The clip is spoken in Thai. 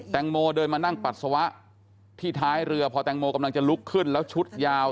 โมเดินมานั่งปัสสาวะที่ท้ายเรือพอแตงโมกำลังจะลุกขึ้นแล้วชุดยาว